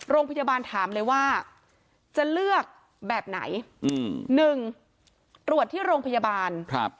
โรงพยาบาลถามเลยว่าจะเลือกแบบไหนอืมหนึ่งตรวจที่โรงพยาบาล